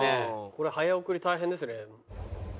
これ早送り大変ですね。